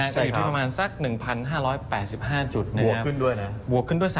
เชิญครับ